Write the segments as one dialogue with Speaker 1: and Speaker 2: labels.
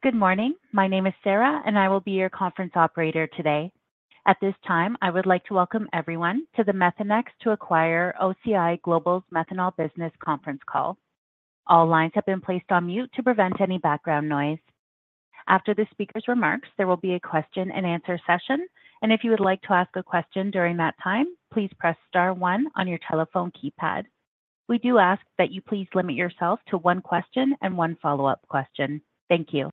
Speaker 1: Good morning. My name is Sarah, and I will be your conference operator today. At this time, I would like to welcome everyone to the Methanex to Acquire OCI Global's Methanol Business Conference Call. All lines have been placed on mute to prevent any background noise. After the speaker's remarks, there will be a question-and-answer session, and if you would like to ask a question during that time, please press star one on your telephone keypad. We do ask that you please limit yourself to one question and one follow-up question. Thank you.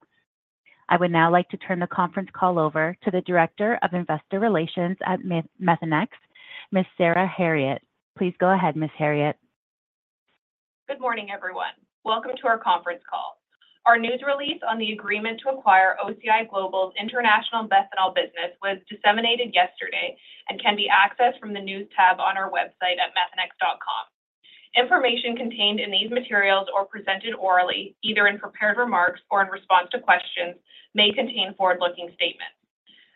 Speaker 1: I would now like to turn the conference call over to the Director of Investor Relations at Methanex, Ms. Sarah Herriott. Please go ahead, Ms. Herriott.
Speaker 2: Good morning, everyone. Welcome to our conference call. Our news release on the agreement to acquire OCI Global's international methanol business was disseminated yesterday and can be accessed from the News tab on our website at methanex.com. Information contained in these materials or presented orally, either in prepared remarks or in response to questions, may contain forward-looking statements.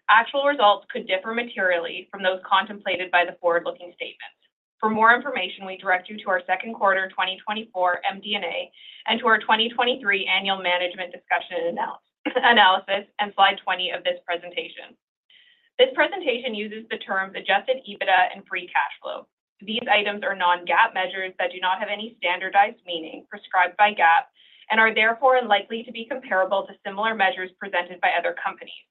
Speaker 2: Actual results could differ materially from those contemplated by the forward-looking statements. For more information, we direct you to our second quarter 2024 MD&A and to our 2023 Annual Management Discussion and Analysis, and slide 20 of this presentation. This presentation uses the terms adjusted EBITDA and free cash flow. These items are non-GAAP measures that do not have any standardized meaning prescribed by GAAP and are therefore unlikely to be comparable to similar measures presented by other companies.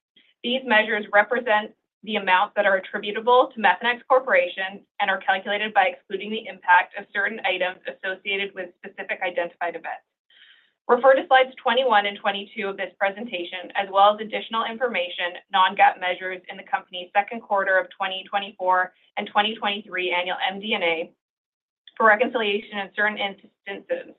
Speaker 2: These measures represent the amounts that are attributable to Methanex Corporation and are calculated by excluding the impact of certain items associated with specific identified events. Refer to slides 21 and 22 of this presentation, as well as additional information, Non-GAAP measures in the company's second quarter of 2024 and 2023 annual MD&A for reconciliation in certain instances.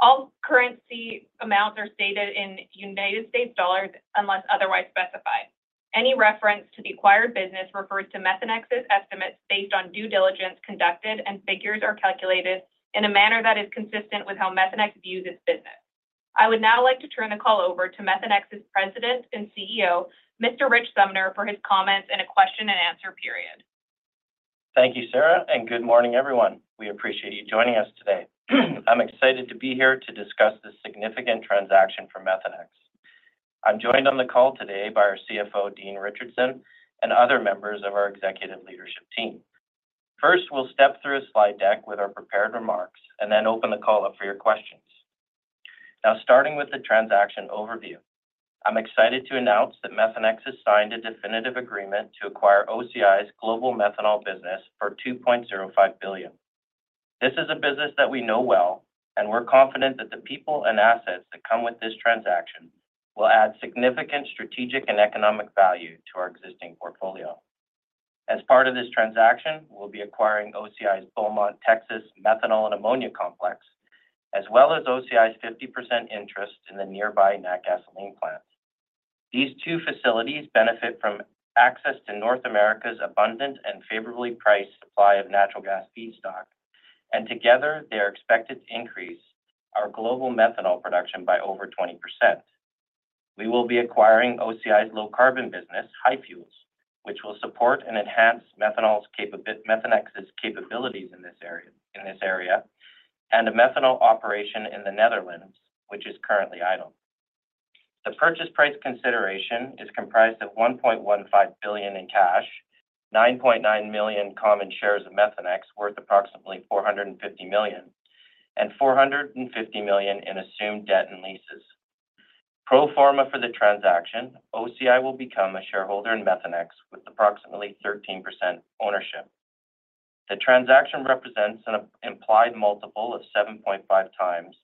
Speaker 2: All currency amounts are stated in United States dollars, unless otherwise specified. Any reference to the acquired business refers to Methanex's estimates based on due diligence conducted, and figures are calculated in a manner that is consistent with how Methanex views its business. I would now like to turn the call over to Methanex's President and CEO, Mr. Rich Sumner, for his comments and a question-and-answer period.
Speaker 3: Thank you, Sarah, and good morning, everyone. We appreciate you joining us today. I'm excited to be here to discuss this significant transaction for Methanex. I'm joined on the call today by our CFO, Dean Richardson, and other members of our executive leadership team. First, we'll step through a slide deck with our prepared remarks and then open the call up for your questions. Now, starting with the transaction overview, I'm excited to announce that Methanex has signed a definitive agreement to acquire OCI's global methanol business for $2.05 billion. This is a business that we know well, and we're confident that the people and assets that come with this transaction will add significant strategic and economic value to our existing portfolio. As part of this transaction, we'll be acquiring OCI's Beaumont, Texas, methanol and ammonia complex, as well as OCI's 50% interest in the nearby Natgasoline plant. These two facilities benefit from access to North America's abundant and favorably priced supply of natural gas feedstock, and together, they are expected to increase our global methanol production by over 20%. We will be acquiring OCI's low-carbon business, HyFuels, which will support and enhance Methanex's capabilities in this area, and a methanol operation in the Netherlands, which is currently idle. The purchase price consideration is comprised of $1.15 billion in cash, 9.9 million common shares of Methanex, worth approximately $450 million, and $450 million in assumed debt and leases. Pro forma for the transaction, OCI will become a shareholder in Methanex with approximately 13% ownership. The transaction represents an implied multiple of 7.5x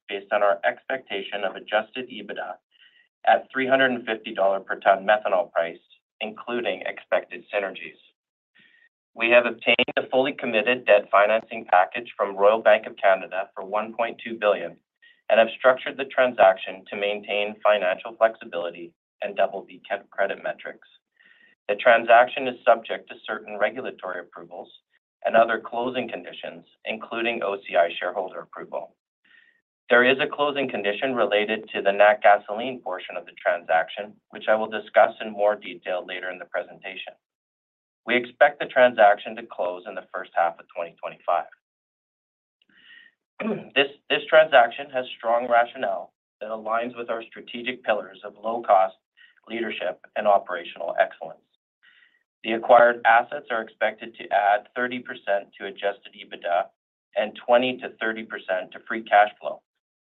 Speaker 3: based on our expectation of adjusted EBITDA at $350 per ton methanol price, including expected synergies. We have obtained a fully committed debt financing package from Royal Bank of Canada for $1.2 billion and have structured the transaction to maintain financial flexibility and BB credit metrics. The transaction is subject to certain regulatory approvals and other closing conditions, including OCI shareholder approval. There is a closing condition related to the Natgasoline portion of the transaction, which I will discuss in more detail later in the presentation. We expect the transaction to close in the first half of 2025. This transaction has strong rationale that aligns with our strategic pillars of low cost, leadership, and operational excellence. The acquired assets are expected to add 30% to adjusted EBITDA and 20%-30% to free cash flow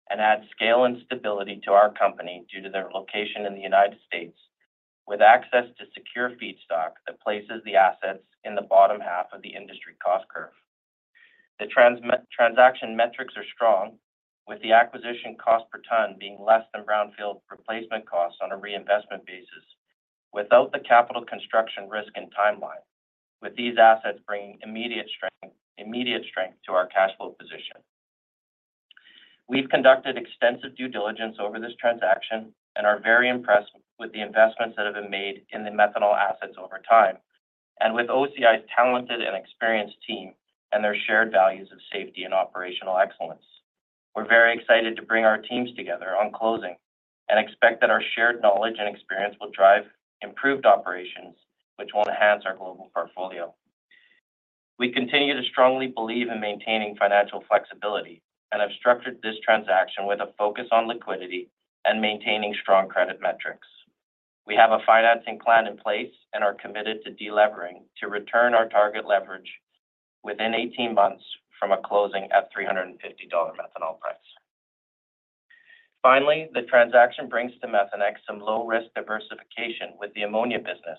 Speaker 3: and add scale and stability to our company due to their location in the United States, with access to secure feedstock that places the assets in the bottom half of the industry cost curve. The transaction metrics are strong, with the acquisition cost per ton being less than brownfield replacement costs on a reinvestment basis without the capital construction risk and timeline, with these assets bringing immediate strength to our cash flow position. We've conducted extensive due diligence over this transaction and are very impressed with the investments that have been made in the methanol assets over time and with OCI's talented and experienced team and their shared values of safety and operational excellence. We're very excited to bring our teams together on closing and expect that our shared knowledge and experience will drive improved operations, which will enhance our global portfolio. We continue to strongly believe in maintaining financial flexibility, and have structured this transaction with a focus on liquidity and maintaining strong credit metrics. We have a financing plan in place and are committed to de-levering to return our target leverage within 18 months from a closing at $350 dollar methanol price. Finally, the transaction brings to Methanex some low-risk diversification with the ammonia business,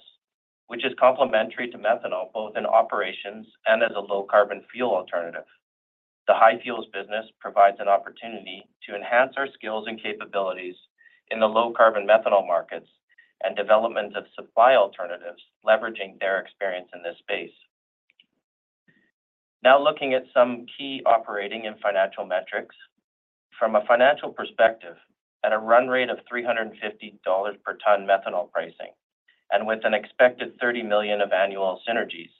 Speaker 3: which is complementary to methanol, both in operations and as a low-carbon fuel alternative. The HyFuels business provides an opportunity to enhance our skills and capabilities in the low-carbon methanol markets and development of supply alternatives, leveraging their experience in this space. Now, looking at some key operating and financial metrics. From a financial perspective, at a run rate of $350 per ton methanol pricing, and with an expected $30 million of annual synergies,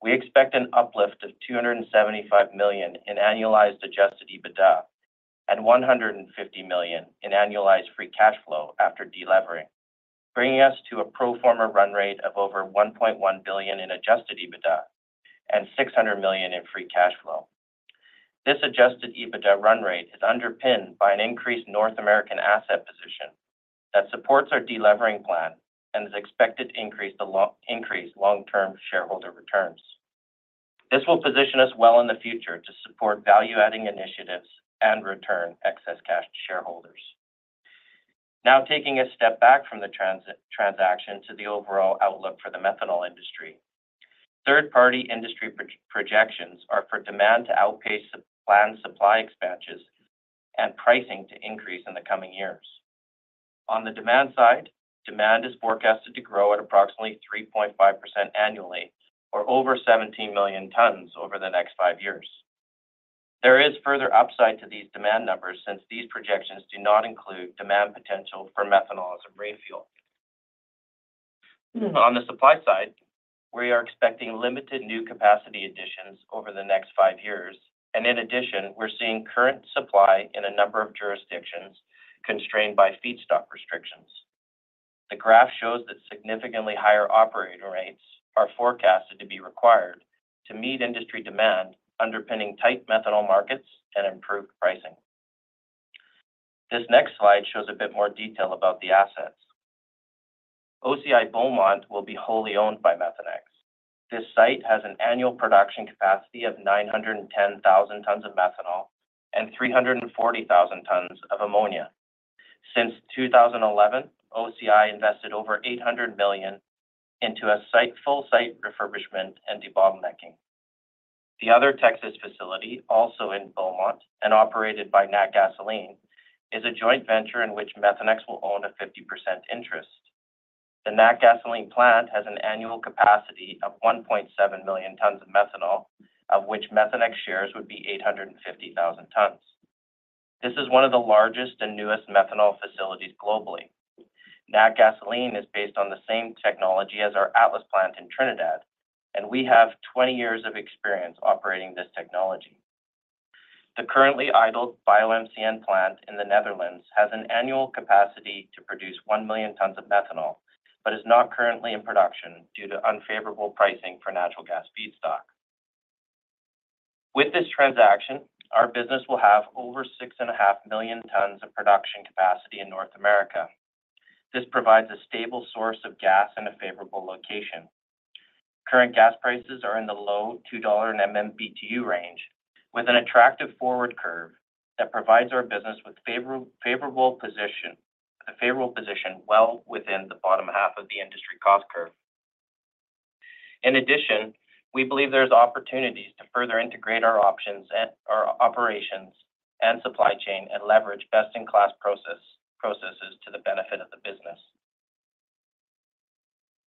Speaker 3: we expect an uplift of $275 million in annualized adjusted EBITDA and $150 million in annualized free cash flow after de-levering, bringing us to a pro forma run rate of over $1.1 billion in adjusted EBITDA and $600 million in free cash flow. This adjusted EBITDA run rate is underpinned by an increased North American asset position that supports our de-levering plan and is expected to increase the long-term shareholder returns. This will position us well in the future to support value-adding initiatives and return excess cash to shareholders. Now, taking a step back from the transaction to the overall outlook for the methanol industry. Third-party industry projections are for demand to outpace planned supply expansions and pricing to increase in the coming years. On the demand side, demand is forecasted to grow at approximately 3.5% annually, or over 17 million tons over the next five years. There is further upside to these demand numbers, since these projections do not include demand potential for methanol as a marine fuel. On the supply side, we are expecting limited new capacity additions over the next five years, and in addition, we're seeing current supply in a number of jurisdictions constrained by feedstock restrictions. The graph shows that significantly higher operating rates are forecasted to be required to meet industry demand, underpinning tight methanol markets and improved pricing. This next slide shows a bit more detail about the assets. OCI Beaumont will be wholly owned by Methanex. This site has an annual production capacity of 910,000 tons of methanol and 340,000 tons of ammonia. Since 2011, OCI invested over $800 million into a site, full site refurbishment and debottlenecking. The other Texas facility, also in Beaumont and operated by Natgasoline, is a joint venture in which Methanex will own a 50% interest. The Natgasoline plant has an annual capacity of 1.7 million tons of methanol, of which Methanex shares would be 850,000 tons. This is one of the largest and newest methanol facilities globally. Natgasoline is based on the same technology as our Atlas plant in Trinidad, and we have 20 years of experience operating this technology. The currently idled BioMCN plant in the Netherlands has an annual capacity to produce one million tons of methanol, but is not currently in production due to unfavorable pricing for natural gas feedstock. With this transaction, our business will have over 6.5 million tons of production capacity in North America. This provides a stable source of gas in a favorable location. Current gas prices are in the low $2/MMBtu range, with an attractive forward curve that provides our business with a favorable position well within the bottom half of the industry cost curve. In addition, we believe there's opportunities to further integrate our options and our operations and supply chain and leverage best-in-class processes to the benefit of the business.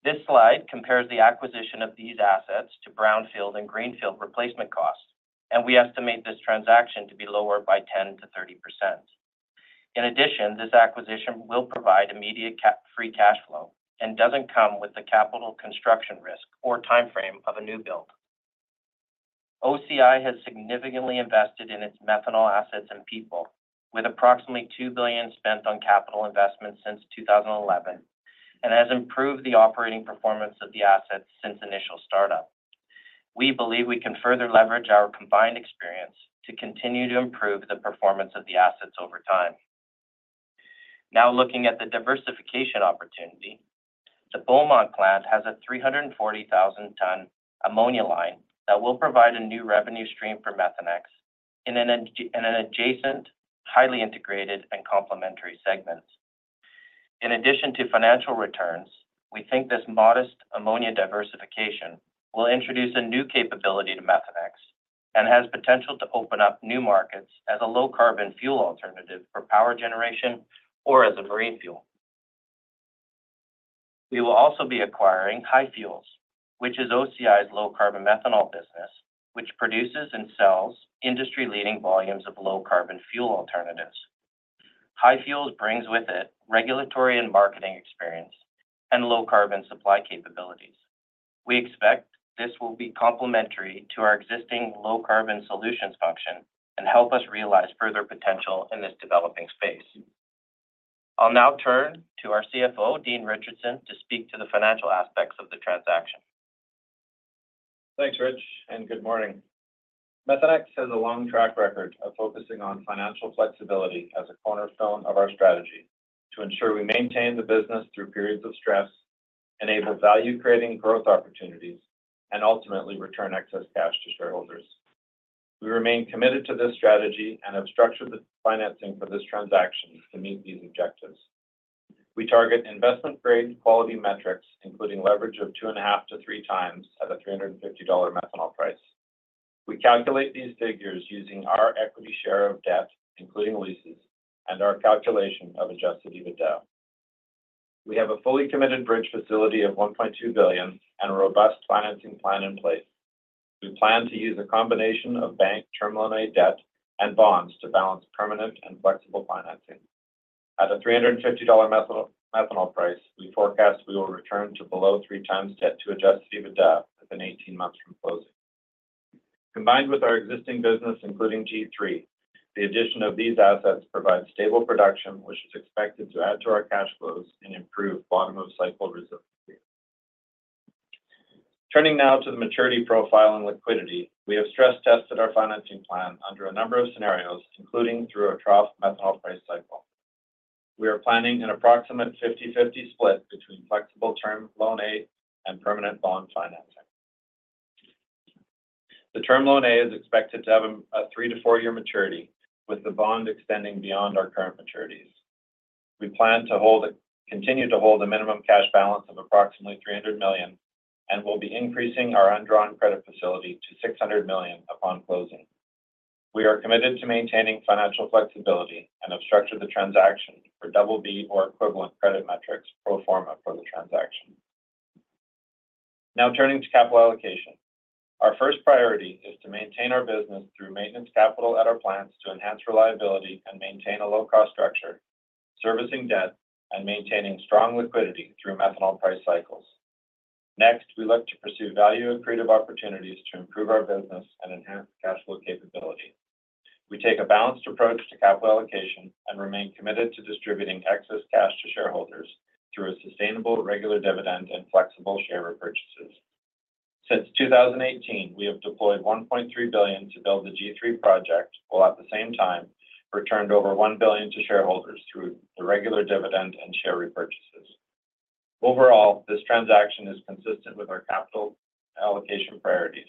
Speaker 3: This slide compares the acquisition of these assets to brownfield and greenfield replacement costs, and we estimate this transaction to be lower by 10%-30%. In addition, this acquisition will provide immediate free cash flow and doesn't come with the capital construction risk or timeframe of a new build. OCI has significantly invested in its methanol assets and people, with approximately $2 billion spent on capital investments since 2011, and has improved the operating performance of the assets since initial startup. We believe we can further leverage our combined experience to continue to improve the performance of the assets over time. Now, looking at the diversification opportunity. The Beaumont plant has a 340,000-ton ammonia line that will provide a new revenue stream for Methanex in an adjacent, highly integrated, and complementary segments. In addition to financial returns, we think this modest ammonia diversification will introduce a new capability to Methanex and has potential to open up new markets as a low-carbon fuel alternative for power generation or as a marine fuel. We will also be acquiring HyFuels, which is OCI's low-carbon methanol business, which produces and sells industry-leading volumes of low-carbon fuel alternatives. HyFuels brings with it regulatory and marketing experience and low-carbon supply capabilities. We expect this will be complementary to our existing low-carbon solutions function and help us realize further potential in this developing space. I'll now turn to our CFO, Dean Richardson, to speak to the financial aspects of the transaction.
Speaker 4: Thanks, Rich, and good morning. Methanex has a long track record of focusing on financial flexibility as a cornerstone of our strategy to ensure we maintain the business through periods of stress, enable value-creating growth opportunities, and ultimately return excess cash to shareholders. We remain committed to this strategy and have structured the financing for this transaction to meet these objectives. We target investment-grade quality metrics, including leverage of 2.5x-3x at a $350 methanol price. We calculate these figures using our equity share of debt, including leases, and our calculation of adjusted EBITDA. We have a fully committed bridge facility of $1.2 billion and a robust financing plan in place. We plan to use a combination of bank Term Loan A debt and bonds to balance permanent and flexible financing. At a $350 methanol price, we forecast we will return to below 3x debt to adjusted EBITDA within 18 months from closing. Combined with our existing business, including G3, the addition of these assets provides stable production, which is expected to add to our cash flows and improve bottom-of-cycle resiliency. Turning now to the maturity profile and liquidity, we have stress-tested our financing plan under a number of scenarios, including through a trough methanol price cycle. We are planning an approximate 50/50 split between flexible term loan A and permanent bond financing. The term loan A is expected to have a 3-4 year maturity, with the bond extending beyond our current maturities. We plan to continue to hold a minimum cash balance of approximately $300 million, and we'll be increasing our undrawn credit facility to $600 million upon closing. We are committed to maintaining financial flexibility and have structured the transaction for double B or equivalent credit metrics pro forma for the transaction. Now turning to capital allocation. Our first priority is to maintain our business through maintenance capital at our plants to enhance reliability and maintain a low-cost structure, servicing debt, and maintaining strong liquidity through methanol price cycles. Next, we look to pursue value and creative opportunities to improve our business and enhance cash flow capability. We take a balanced approach to capital allocation and remain committed to distributing excess cash to shareholders through a sustainable, regular dividend and flexible share repurchases. Since 2018, we have deployed $1.3 billion to build the G3 project, while at the same time returned over $1 billion to shareholders through the regular dividend and share repurchases. Overall, this transaction is consistent with our capital allocation priorities: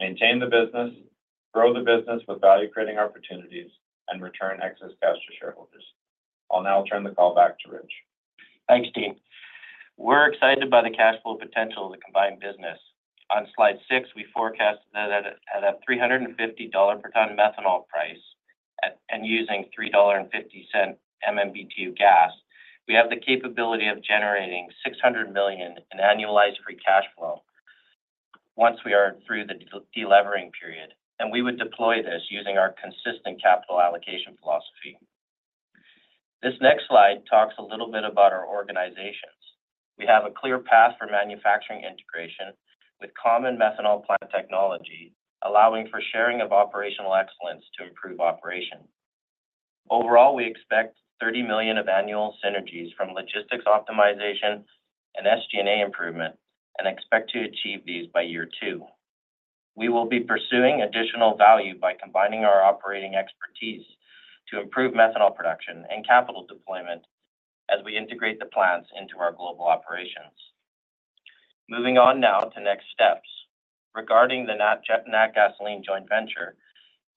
Speaker 4: maintain the business, grow the business with value-creating opportunities, and return excess cash to shareholders. I'll now turn the call back to Rich.
Speaker 3: Thanks, Dean. We're excited by the cash flow potential of the combined business. On slide six, we forecast that at a $350 per ton methanol price and using $3.50 MMBtu gas, we have the capability of generating $600 million in annualized free cash flow once we are through the de-levering period, and we would deploy this using our consistent capital allocation philosophy. This next slide talks a little bit about our organizations. We have a clear path for manufacturing integration with common methanol plant technology, allowing for sharing of operational excellence to improve operation. Overall, we expect $30 million of annual synergies from logistics optimization and SG&A improvement and expect to achieve these by year two. We will be pursuing additional value by combining our operating expertise to improve methanol production and capital deployment as we integrate the plants into our global operations. Moving on now to next steps. Regarding the Natgasoline joint venture,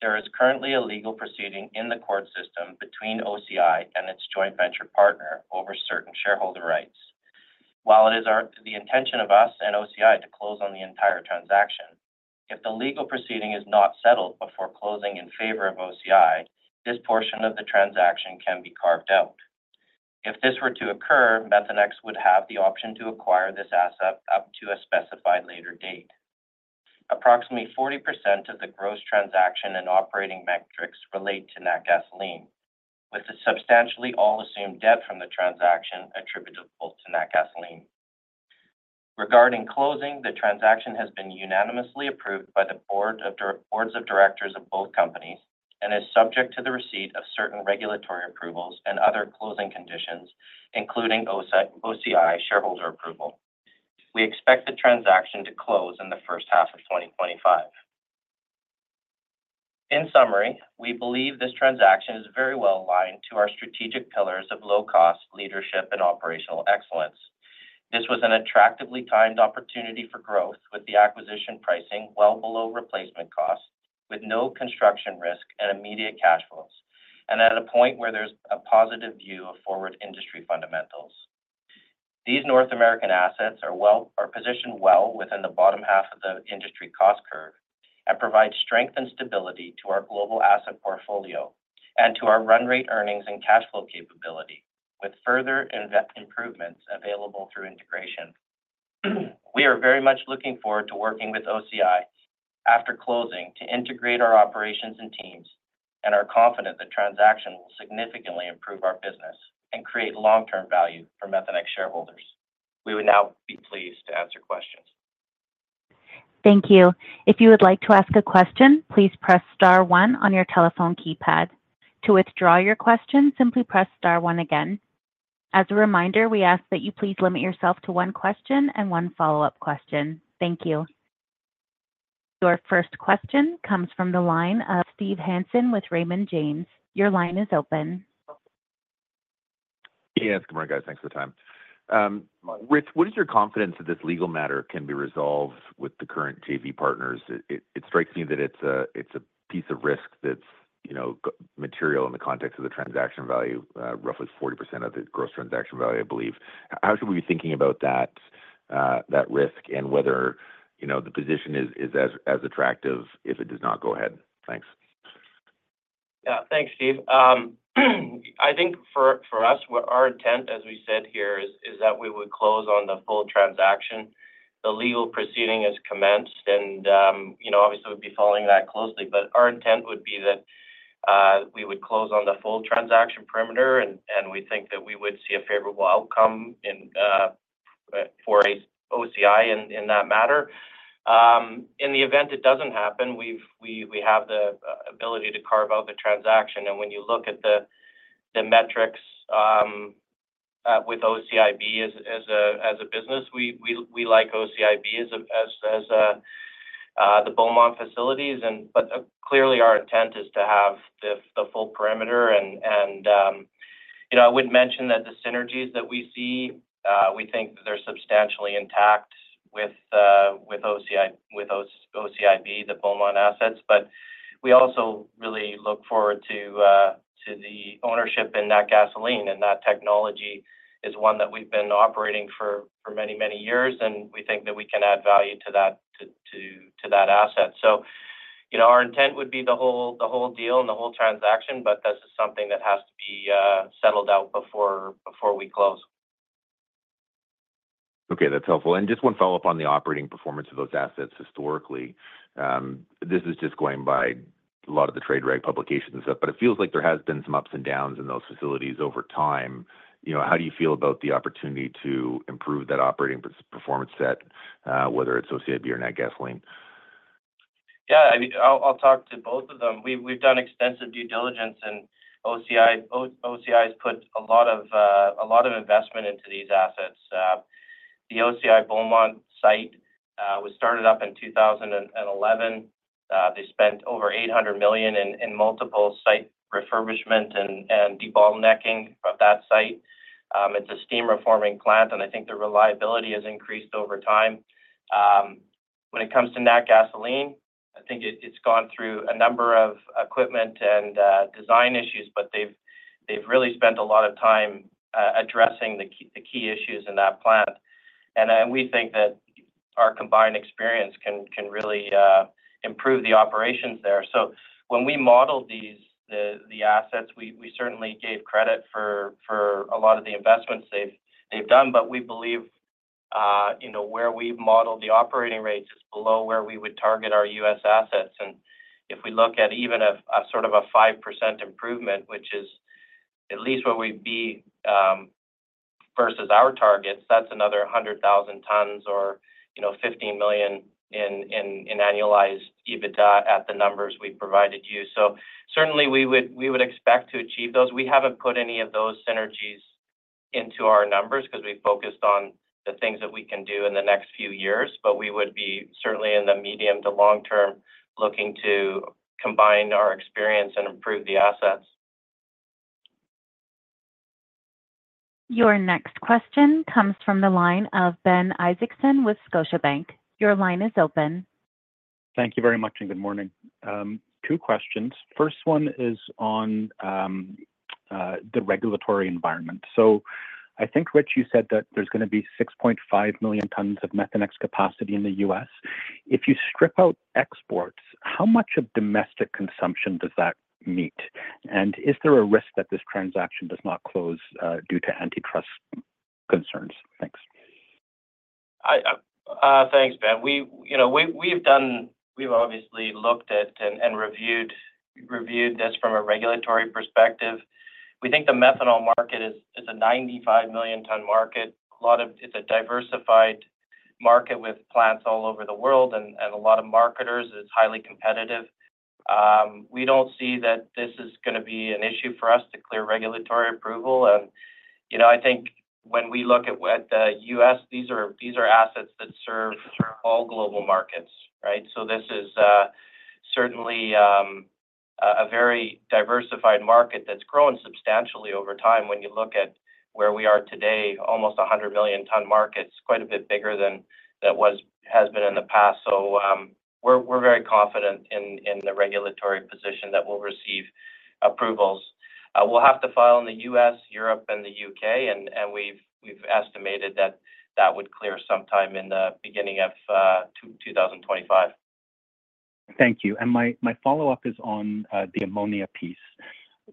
Speaker 3: there is currently a legal proceeding in the court system between OCI and its joint venture partner over certain shareholder rights. While it is the intention of us and OCI to close on the entire transaction, if the legal proceeding is not settled before closing in favor of OCI, this portion of the transaction can be carved out. If this were to occur, Methanex would have the option to acquire this asset up to a specified later date. Approximately 40% of the gross transaction and operating metrics relate to Natgasoline, with the substantially all assumed debt from the transaction attributable to Natgasoline. Regarding closing, the transaction has been unanimously approved by the boards of directors of both companies and is subject to the receipt of certain regulatory approvals and other closing conditions, including OCI shareholder approval. We expect the transaction to close in the first half of 2025. In summary, we believe this transaction is very well aligned to our strategic pillars of low cost, leadership, and operational excellence. This was an attractively timed opportunity for growth, with the acquisition pricing well below replacement costs, with no construction risk and immediate cash flows, and at a point where there's a positive view of forward industry fundamentals. These North American assets are positioned well within the bottom half of the industry cost curve and provide strength and stability to our global asset portfolio and to our run rate earnings and cash flow capability, with further invest improvements available through integration. We are very much looking forward to working with OCI after closing to integrate our operations and teams and are confident the transaction will significantly improve our business and create long-term value for Methanex shareholders. We would now be pleased to answer questions.
Speaker 1: Thank you. If you would like to ask a question, please press star one on your telephone keypad. To withdraw your question, simply press star one again. As a reminder, we ask that you please limit yourself to one question and one follow-up question. Thank you. Your first question comes from the line of Steve Hansen with Raymond James. Your line is open.
Speaker 5: Yes, good morning, guys. Thanks for the time. Rich, what is your confidence that this legal matter can be resolved with the current JV partners? It strikes me that it's a piece of risk that's, you know, material in the context of the transaction value, roughly 40% of the gross transaction value, I believe. How should we be thinking about that risk and whether, you know, the position is as attractive if it does not go ahead? Thanks.
Speaker 3: Yeah. Thanks, Steve. I think for us, what our intent, as we said here, is that we would close on the full transaction. The legal proceeding has commenced, and, you know, obviously, we'll be following that closely. But our intent would be that we would close on the full transaction perimeter, and we think that we would see a favorable outcome for OCI in that matter. In the event it doesn't happen, we have the ability to carve out the transaction. And when you look at the metrics with OCI Beaumont as a business, we like OCI Beaumont as the Beaumont facilities. Clearly, our intent is to have the full perimeter, and, you know, I would mention that the synergies that we see, we think they're substantially intact with OCI with OCI Beaumont, the Beaumont assets. But we also really look forward to the ownership in Natgasoline, and that technology is one that we've been operating for many years, and we think that we can add value to that asset. So, you know, our intent would be the whole deal and the whole transaction, but this is something that has to be settled out before we close.
Speaker 5: Okay, that's helpful. And just one follow-up on the operating performance of those assets historically. This is just going by a lot of the trade rag publications and stuff, but it feels like there has been some ups and downs in those facilities over time. You know, how do you feel about the opportunity to improve that operating performance, whether it's OCI or Natgasoline?
Speaker 3: Yeah, I mean, I'll talk to both of them. We've done extensive due diligence, and OCI has put a lot of investment into these assets. The OCI Beaumont site was started up in 2011. They spent over $800 million in multiple site refurbishment and debottlenecking of that site. It's a steam reforming plant, and I think the reliability has increased over time. When it comes to Natgasoline, I think it's gone through a number of equipment and design issues, but they've really spent a lot of time addressing the key issues in that plant. We think that our combined experience can really improve the operations there. So when we model these, the assets, we certainly gave credit for a lot of the investments they've done, but we believe, you know, where we've modeled the operating rates is below where we would target our U.S. assets. And if we look at even a sort of a 5% improvement, which is at least where we'd be versus our targets, that's another 100,000 tons or, you know, 15 million in annualized EBITDA at the numbers we provided you. So certainly, we would expect to achieve those. We haven't put any of those synergies into our numbers because we focused on the things that we can do in the next few years, but we would be certainly in the medium to long term, looking to combine our experience and improve the assets.
Speaker 1: Your next question comes from the line of Ben Isaacson with Scotiabank. Your line is open.
Speaker 6: Thank you very much, and good morning. Two questions. First one is on the regulatory environment. So I think, Rich, you said that there's gonna be 6.5 million tons of Methanex capacity in the U.S. If you strip out exports, how much of domestic consumption does that meet? And is there a risk that this transaction does not close due to antitrust concerns? Thanks.
Speaker 3: Thanks, Ben. We, you know, we've done. We've obviously looked at and reviewed this from a regulatory perspective. We think the methanol market is a 95 million ton market. It's a diversified market with plants all over the world and a lot of marketers. It's highly competitive. We don't see that this is gonna be an issue for us to clear regulatory approval. And, you know, I think when we look at what the U.S., these are assets that serve all global markets, right? So this is certainly a very diversified market that's grown substantially over time. When you look at where we are today, almost a 100 million ton market, it's quite a bit bigger than that has been in the past. We're very confident in the regulatory position that we'll receive approvals. We'll have to file in the U.S., Europe, and the U.K., and we've estimated that would clear sometime in the beginning of 2025.
Speaker 6: Thank you. And my follow-up is on the ammonia piece.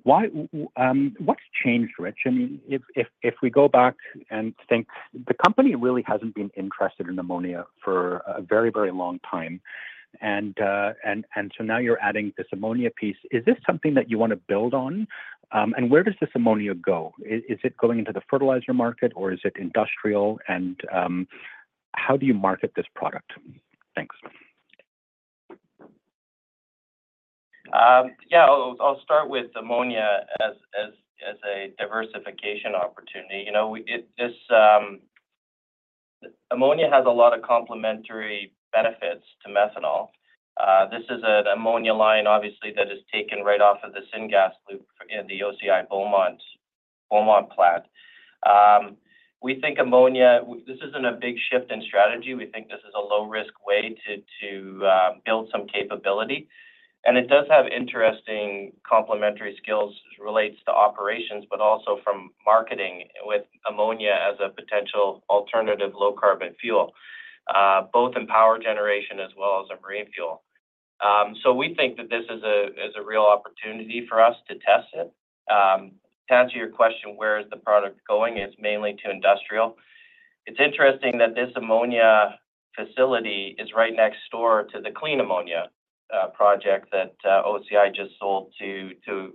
Speaker 6: Why, what's changed, Rich? I mean, if we go back and think, the company really hasn't been interested in ammonia for a very, very long time. And so now you're adding this ammonia piece. Is this something that you want to build on? And where does this ammonia go? Is it going into the fertilizer market or is it industrial? And how do you market this product? Thanks.
Speaker 3: Yeah, I'll start with ammonia as a diversification opportunity. You know, ammonia has a lot of complementary benefits to methanol. This is an ammonia line, obviously, that is taken right off of the syngas loop in the OCI Beaumont plant. We think ammonia, this isn't a big shift in strategy. We think this is a low-risk way to build some capability. And it does have interesting complementary skills as relates to operations, but also from marketing with ammonia as a potential alternative low-carbon fuel, both in power generation as well as a marine fuel. So we think that this is a real opportunity for us to test it. To answer your question, where is the product going? It's mainly to industrial. It's interesting that this ammonia facility is right next door to the clean ammonia project that OCI just sold to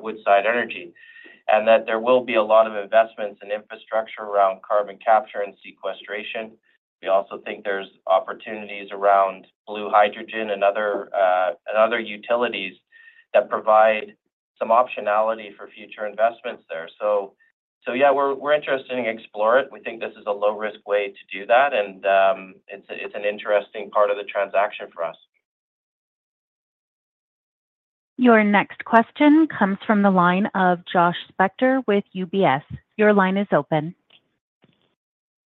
Speaker 3: Woodside Energy, and that there will be a lot of investments in infrastructure around carbon capture and sequestration. We also think there's opportunities around blue hydrogen and other utilities that provide some optionality for future investments there. So, yeah, we're interested in exploring it. We think this is a low-risk way to do that, and it's an interesting part of the transaction for us.
Speaker 1: Your next question comes from the line of Josh Spector with UBS. Your line is open.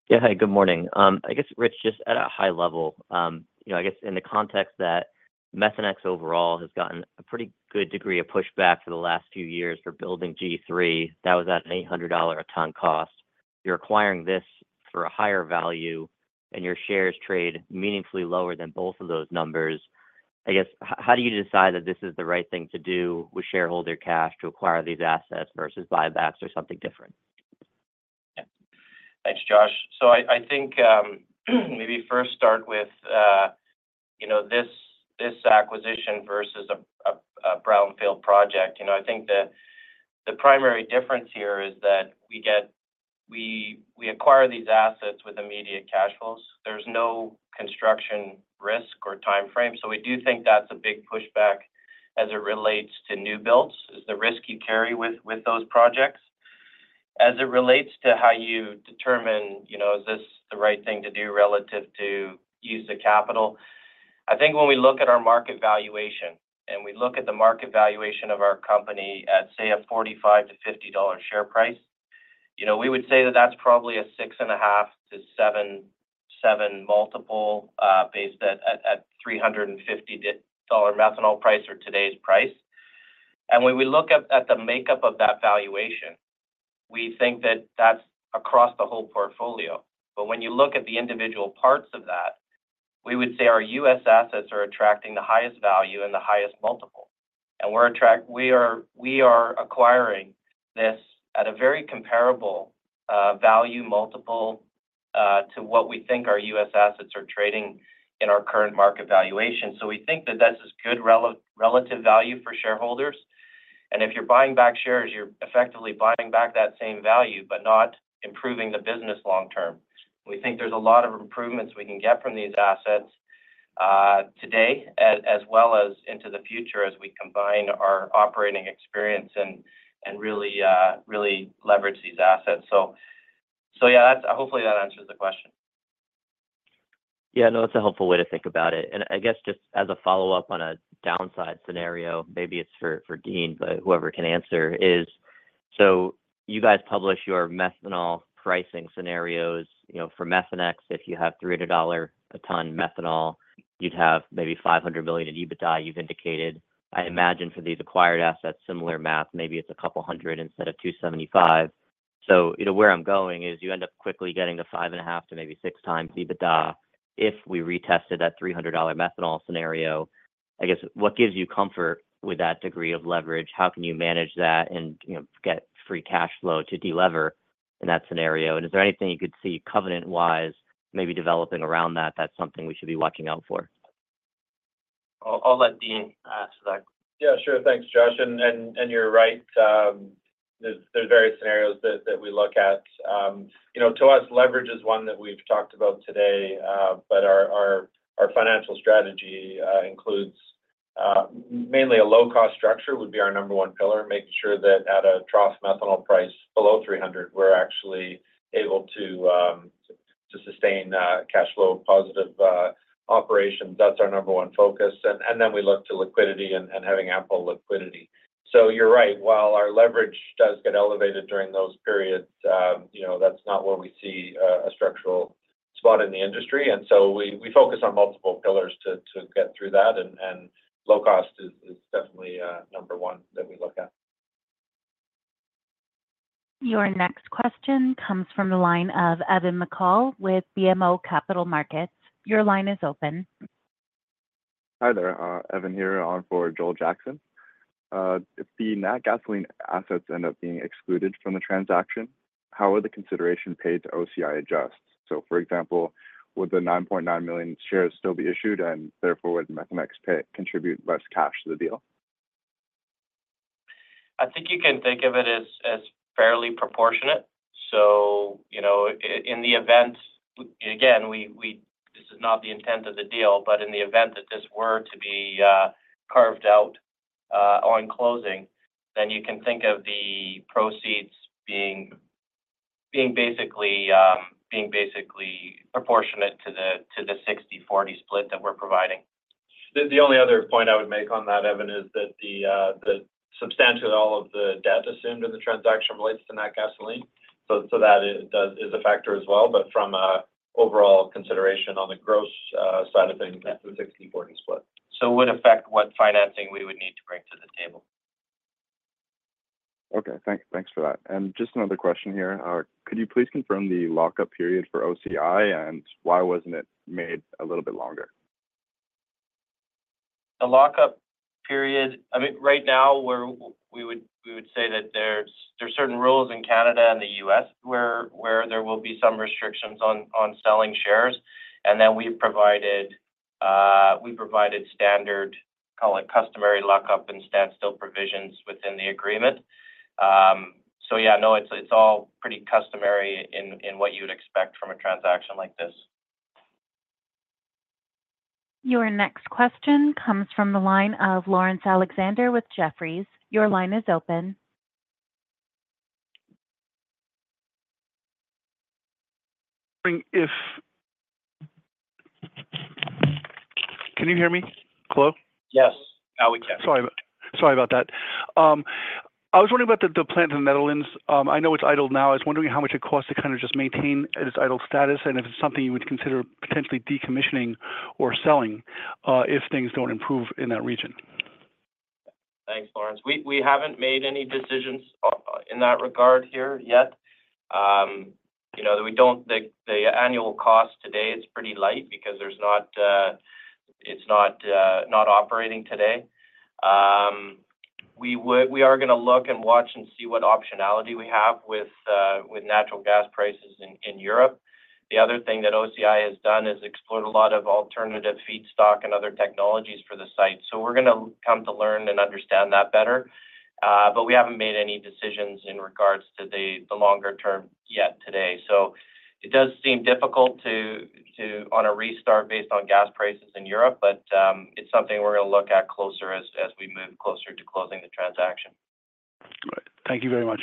Speaker 7: Yeah, hi, good morning. I guess, Rich, just at a high level, you know, I guess in the context that Methanex overall has gotten a pretty good degree of pushback for the last few years for building G3, that was at an $800 a ton cost. You're acquiring this for a higher value, and your shares trade meaningfully lower than both of those numbers. I guess, how do you decide that this is the right thing to do with shareholder cash to acquire these assets versus buybacks or something different?
Speaker 3: Yeah. Thanks, Josh. So I think maybe first start with you know this acquisition versus a brownfield project. You know I think that the primary difference here is that we acquire these assets with immediate cash flows. There's no construction risk or time frame, so we do think that's a big pushback as it relates to new builds, is the risk you carry with those projects. As it relates to how you determine, you know, is this the right thing to do relative to use of capital, I think when we look at our market valuation, and we look at the market valuation of our company at, say, a $45-$50 share price, you know, we would say that that's probably a 6.5-7 multiple, based at $350 methanol price or today's price. And when we look at the makeup of that valuation, we think that that's across the whole portfolio. But when you look at the individual parts of that, we would say our U.S. assets are attracting the highest value and the highest multiple. And we are acquiring this at a very comparable value multiple to what we think our US assets are trading in our current market valuation. So we think that this is good relative value for shareholders, and if you're buying back shares, you're effectively buying back that same value, but not improving the business long term. We think there's a lot of improvements we can get from these assets today, as well as into the future as we combine our operating experience and really leverage these assets. Hopefully, that answers the question.
Speaker 7: Yeah, no, that's a helpful way to think about it. I guess just as a follow-up on a downside scenario, maybe it's for Dean, but whoever can answer is: So you guys publish your methanol pricing scenarios. You know, for Methanex, if you have $300 a ton methanol, you'd have maybe $500 million in EBITDA you've indicated. I imagine for these acquired assets, similar math, maybe it's a couple hundred instead of 275. So you know, where I'm going is you end up quickly getting to 5.5x to maybe 6x EBITDA if we retested that $300 methanol scenario. I guess, what gives you comfort with that degree of leverage? How can you manage that and, you know, get free cash flow to de-lever in that scenario? Is there anything you could see covenant-wise maybe developing around that, that's something we should be watching out for?
Speaker 3: I'll let Dean answer that.
Speaker 4: Yeah, sure. Thanks, Josh. And you're right. There's various scenarios that we look at. You know, to us, leverage is one that we've talked about today, but our financial strategy includes mainly a low-cost structure would be our number one pillar, making sure that at a trough methanol price below three hundred, we're actually able to sustain cash flow positive operations. That's our number one focus. And then we look to liquidity and having ample liquidity. So you're right, while our leverage does get elevated during those periods, you know, that's not where we see a structural spot in the industry. And so we focus on multiple pillars to get through that, and low cost is definitely number one that we look at.
Speaker 1: Your next question comes from the line of Evan McCaul with BMO Capital Markets. Your line is open.
Speaker 8: Hi there, Evan here on for Joel Jackson. If the Natgasoline assets end up being excluded from the transaction, how are the consideration paid to OCI adjust? So, for example, would the 9.9 million shares still be issued, and therefore, would Methanex contribute less cash to the deal?
Speaker 3: I think you can think of it as fairly proportionate. So, you know, in the event, again, this is not the intent of the deal, but in the event that this were to be carved out on closing, then you can think of the proceeds being basically proportionate to the 60/40 split that we're providing.
Speaker 4: The only other point I would make on that, Evan, is that substantially all of the debt assumed in the transaction relates to Natgasoline, so that is a factor as well, but from an overall consideration on the gross side of things, that's a 60/40 split.
Speaker 3: So it would affect what financing we would need to bring to the table.
Speaker 8: Okay, thanks for that. And just another question here: could you please confirm the lockup period for OCI, and why wasn't it made a little bit longer?
Speaker 3: The lockup period, I mean, right now, we would say that there's certain rules in Canada and the U.S., where there will be some restrictions on selling shares. And then we've provided standard, call it, customary lockup and standstill provisions within the agreement. So yeah, no, it's all pretty customary in what you'd expect from a transaction like this.
Speaker 1: Your next question comes from the line of Laurence Alexander with Jefferies. Your line is open.
Speaker 9: Can you hear me? Hello?
Speaker 3: Yes. Now we can.
Speaker 9: Sorry about that. I was wondering about the plant in the Netherlands. I know it's idled now. I was wondering how much it costs to kind of just maintain its idle status, and if it's something you would consider potentially decommissioning or selling, if things don't improve in that region?
Speaker 3: Thanks, Laurence. We haven't made any decisions in that regard here yet. You know, we don't. The annual cost today is pretty light because there's not, it's not operating today. We are gonna look and watch and see what optionality we have with natural gas prices in Europe. The other thing that OCI has done is explored a lot of alternative feedstock and other technologies for the site. So we're gonna come to learn and understand that better. But we haven't made any decisions in regards to the longer term yet today. So it does seem difficult to on a restart based on gas prices in Europe, but it's something we're gonna look at closer as we move closer to closing the transaction.
Speaker 9: Great. Thank you very much.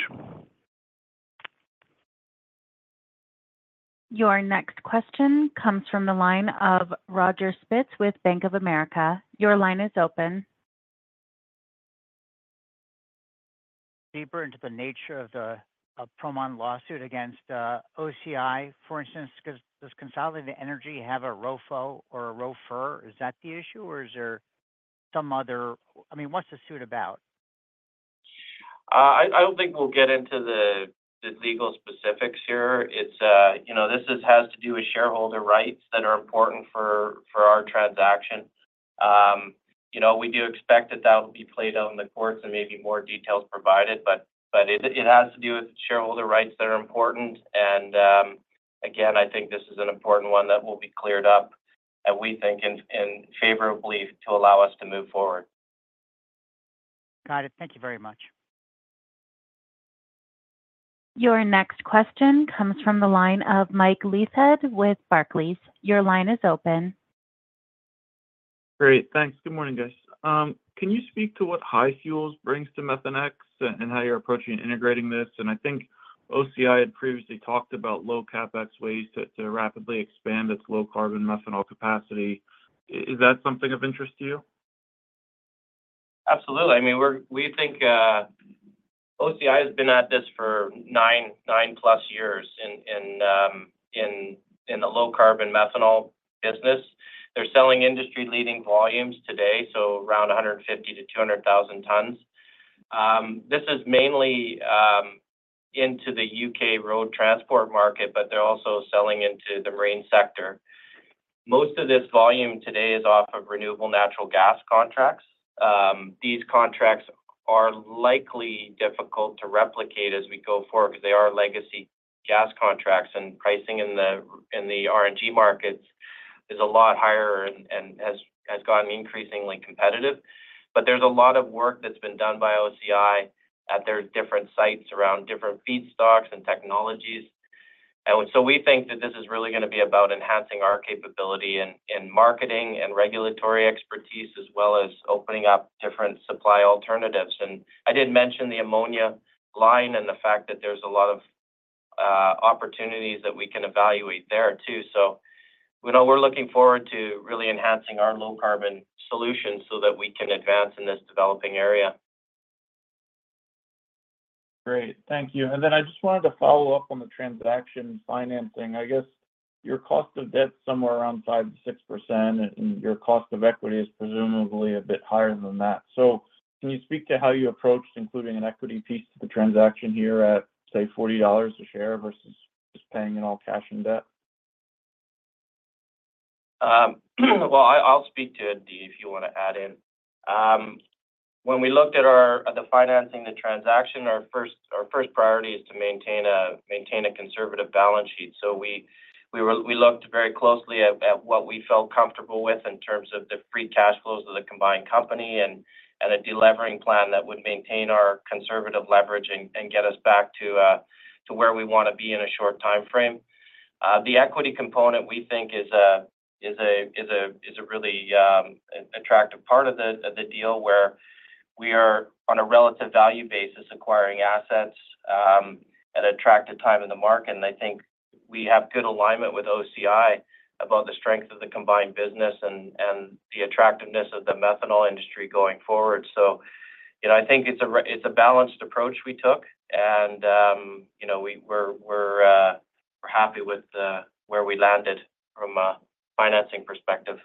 Speaker 1: Your next question comes from the line of Roger Spitz with Bank of America. Your line is open.
Speaker 10: Deeper into the nature of the Proman lawsuit against OCI, for instance, does Consolidated Energy have a ROFO or a ROFR? Is that the issue, I mean, what's the suit about?
Speaker 3: I don't think we'll get into the legal specifics here. It's you know, this has to do with shareholder rights that are important for our transaction. You know, we do expect that will be played out in the courts and maybe more details provided, but it has to do with shareholder rights that are important. Again, I think this is an important one that will be cleared up, and we think in our favor to allow us to move forward.
Speaker 10: Got it. Thank you very much.
Speaker 1: Your next question comes from the line of Mike Leithead with Barclays. Your line is open.
Speaker 11: Great. Thanks. Good morning, guys. Can you speak to what HyFuels brings to Methanex and how you're approaching integrating this? I think OCI had previously talked about low CapEx ways to rapidly expand its low-carbon methanol capacity. Is that something of interest to you?
Speaker 3: Absolutely. We think OCI has been at this for 9+ years in the low-carbon methanol business. They're selling industry-leading volumes today, so around 150-200 thousand tons. This is mainly into the U.K. road transport market, but they're also selling into the marine sector. Most of this volume today is off of renewable natural gas contracts. These contracts are likely difficult to replicate as we go forward because they are legacy gas contracts, and pricing in the RNG markets is a lot higher and has gotten increasingly competitive. But there's a lot of work that's been done by OCI at their different sites around different feedstocks and technologies. And so we think that this is really gonna be about enhancing our capability in marketing and regulatory expertise, as well as opening up different supply alternatives. And I did mention the ammonia line and the fact that there's a lot of opportunities that we can evaluate there too. So we know we're looking forward to really enhancing our low-carbon solutions so that we can advance in this developing area.
Speaker 11: Great. Thank you. And then I just wanted to follow up on the transaction financing. I guess, your cost of debt is somewhere around 5-6%, and your cost of equity is presumably a bit higher than that. So can you speak to how you approached including an equity piece to the transaction here at, say, $40 a share versus just paying in all cash and debt?
Speaker 3: Well, I'll speak to it, Dave, if you wanna add in. When we looked at the financing, the transaction, our first priority is to maintain a conservative balance sheet. So we looked very closely at what we felt comfortable with in terms of the free cash flows of the combined company and a de-levering plan that would maintain our conservative leverage and get us back to where we wanna be in a short timeframe. The equity component, we think, is a really attractive part of the deal where we are, on a relative value basis, acquiring assets at an attractive time in the market. And I think we have good alignment with OCI about the strength of the combined business and the attractiveness of the methanol industry going forward. So, you know, I think it's a balanced approach we took, and, you know, we're happy with where we landed from a financing perspective.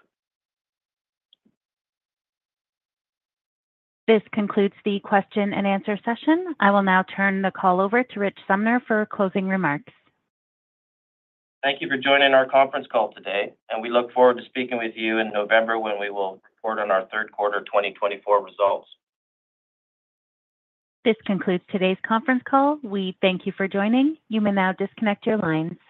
Speaker 1: This concludes the question and answer session. I will now turn the call over to Rich Sumner for closing remarks.
Speaker 3: Thank you for joining our conference call today, and we look forward to speaking with you in November when we will report on our third quarter 2024 results.
Speaker 1: This concludes today's conference call. We thank you for joining. You may now disconnect your lines.